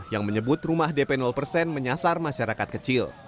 yang menyebut rumah dp persen menyasar masyarakat kecil